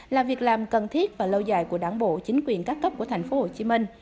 là việc làm cần thiết và lâu dài của đảng bộ chính quyền các cấp của tp hcm